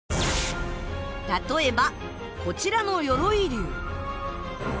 例えばこちらの鎧竜。